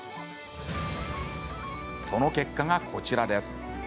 その結果が、こちらです。